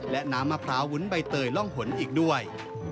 และน้ำมะพร้าววุ้นใบเตยร่องหนอีกด้วย